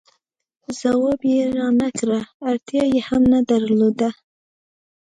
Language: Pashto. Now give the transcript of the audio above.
ځواب یې را نه کړ، اړتیا یې هم نه درلوده.